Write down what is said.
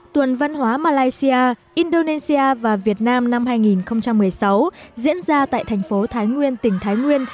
tuần văn hóa malaysia indonesia và việt nam năm hai nghìn một mươi sáu diễn ra tại thành phố thái nguyên tỉnh thái nguyên